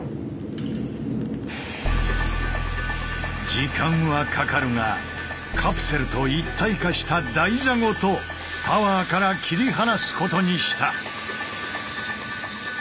時間はかかるがカプセルと一体化した台座ごとタワーから切り離すことにした。